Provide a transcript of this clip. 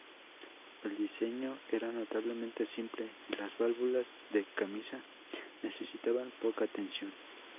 El diseño era notablemente simple, y las válvulas de camisa necesitaban poca atención.